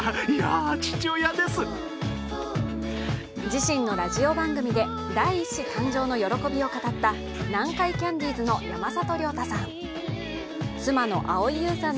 自身のラジオ番組で第１子誕生の喜びを語った南海キャンディーズの山里亮太さん。